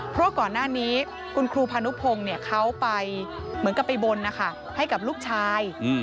เพราะก่อนหน้านี้คุณครูพานุพงศ์เขาไปเหมือนกับไปบนนะคะให้กับลูกชาย